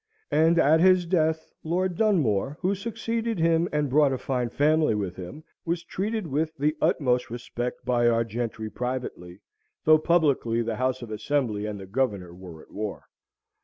And at his death, Lord Dunmore, who succeeded him, and brought a fine family with him, was treated with the utmost respect by our gentry privately, though publicly the House of Assembly and the Governor were at war.